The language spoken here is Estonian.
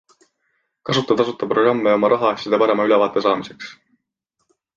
Kasuta tasuta programme oma rahaasjadest parema ülevaate saamiseks.